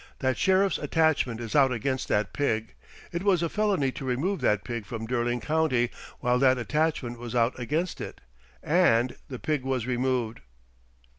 That Sheriff's attachment is out against that pig; it was a felony to remove that pig from Derling County while that attachment was out against it. And the pig was removed."